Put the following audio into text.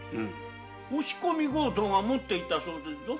押し込み強盗が持っていたとか。